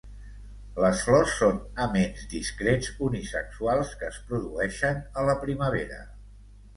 Les flors són aments discrets unisexuals que es produeixen a la primavera.